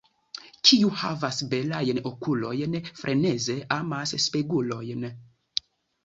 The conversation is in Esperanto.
Kiu havas belajn okulojn, freneze amas spegulojn.